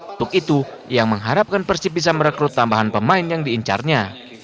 untuk itu ia mengharapkan persib bisa merekrut tambahan pemain yang diincarnya